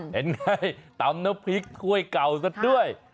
เป็นไงตำน้ำพริกถ้วยเก่าซะด้วย